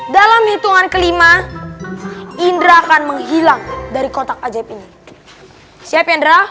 dalam hitungan ke lima indra akan menghilang dari kotak ajaib ini siap ya indra